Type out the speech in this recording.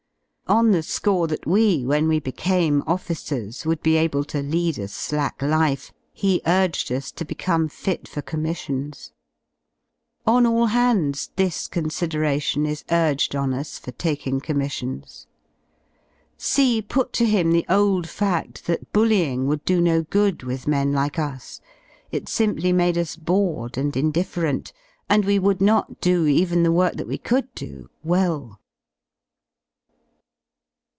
On the score that we, when we became officers, would be able to lead a slack life, he urged us to become fit for commissions. On all hands this consideration is urged on us for taking commissions. C put to him the old fadl that bullying would do no good with men like us, it simply made us bored and indifferent, and we would not do even the work that we could do, well.